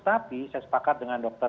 tapi saya sepakat dengan dokter